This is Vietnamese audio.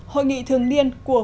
hội nghị thường liên của